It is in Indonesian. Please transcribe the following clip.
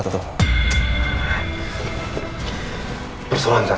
tentang kemahiran kita